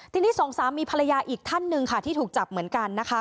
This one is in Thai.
ทีนี้สองสามีภรรยาอีกท่านหนึ่งค่ะที่ถูกจับเหมือนกันนะคะ